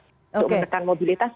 untuk menekan mobilitas